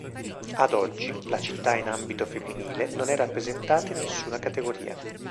Ad oggi, la città in ambito femminile, non è rappresentata in nessuna categoria.